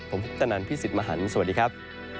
ผมพุทธนันพี่สิทธิ์มหันฯสวัสดีครับ